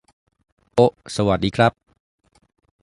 โอะ สวัสดีครับ